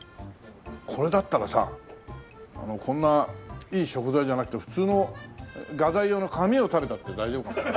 これだったらさこんないい食材じゃなくて普通の画材用の紙を食べたって大丈夫かも。